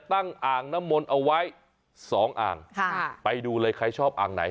อ่างน้ำมนต์เอาไว้สองอ่างค่ะไปดูเลยใครชอบอ่างไหน